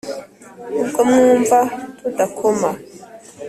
ubwo mwumva• tudakoma